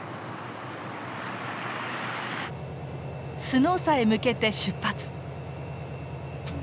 スノーサへ向けて出発！